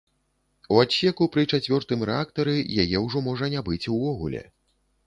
У адсеку пры чацвёртым рэактары яе ўжо можа не быць увогуле.